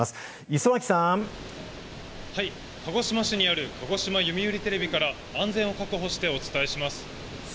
磯脇さはい、鹿児島市にある鹿児島読売テレビから安全を確保してお伝えします。